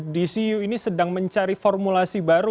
dcu ini sedang mencari formulasi baru